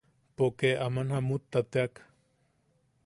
Poke aman jamutta teak.